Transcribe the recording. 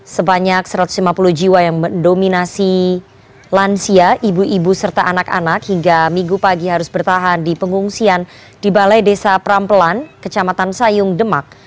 sebanyak satu ratus lima puluh jiwa yang mendominasi lansia ibu ibu serta anak anak hingga minggu pagi harus bertahan di pengungsian di balai desa prampelan kecamatan sayung demak